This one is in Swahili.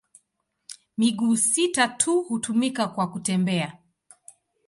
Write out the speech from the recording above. Miguu sita tu hutumika kwa kutembea.